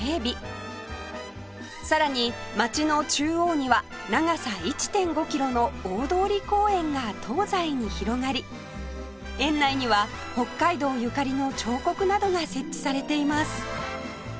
さらに街の中央には長さ １．５ キロの大通公園が東西に広がり園内には北海道ゆかりの彫刻などが設置されています